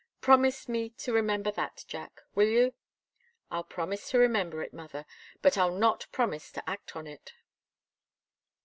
Promise me to remember that, Jack. Will you?" "I'll promise to remember it, mother. But I'll not promise to act on it."